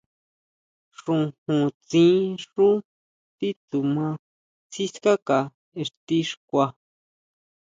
Xojóntsín xú titsuma sikáka ixti xkua.